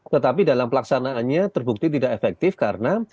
tetapi dalam pelaksanaannya terbukti tidak efektif karena